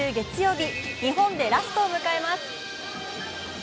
日本でラストを迎えます。